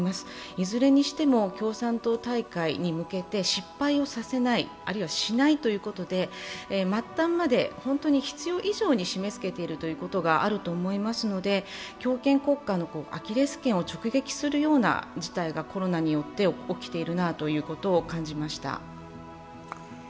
いずれにしても共産党大会に向けて失敗をさせない、あるいはしないということで、末端まで本当に必要以上に締め付けているということがあると思いますので強権国家のアキレスけんを直撃することがコロナによって起きているなというのを感じました。